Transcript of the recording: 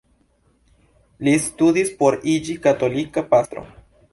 Li studis por iĝi katolika pastro.